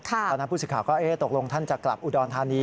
ตอนนั้นผู้สิทธิ์ก็ตกลงท่านจะกลับอุดรธานี